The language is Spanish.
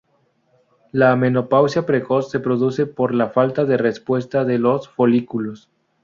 La menopausia precoz se produce por la falta de respuesta de los folículos.